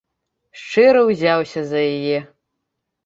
Шчыра ўзяўся за яе.